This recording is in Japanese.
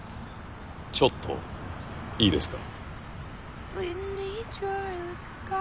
ちょっといいですか？